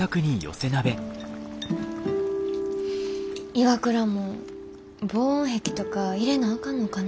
ＩＷＡＫＵＲＡも防音壁とか入れなあかんのかな。